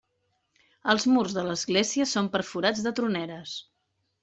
Els murs de l'església són perforats de troneres.